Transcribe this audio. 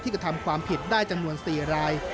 กระทำความผิดได้จำนวน๔ราย